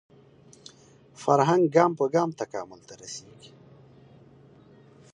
فرهنګ ګام په ګام تکامل ته رسېږي